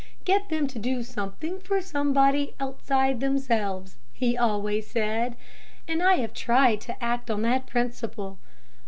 "'Get them to do something for somebody outside themselves,' he always said. And I have tried to act on that principle.